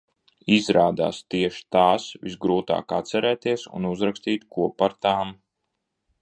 Izrādās tieši tās visgrūtāk atcerēties un uzrakstīt ko par tām.